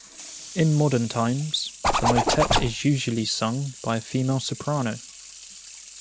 In modern times, the motet is usually sung by a female soprano.